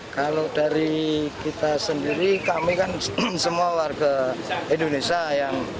kalau dari kita sendiri kami kan semua warga indonesia yang